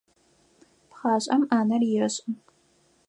Пхъашӏэм ӏанэр ешӏы.